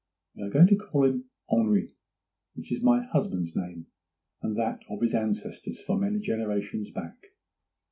We are going to call him Henri, which is my husband's name and that of his ancestors for many generations back.